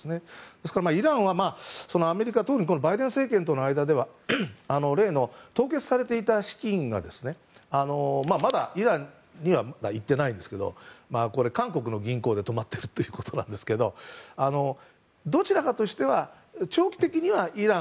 ですからイランはアメリカ特にバイデン政権との間では例の凍結されていた資金がまだイランにはいってないんですけど韓国の銀行で止まっているということなんですけどどちら